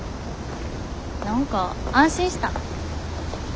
何か安心した。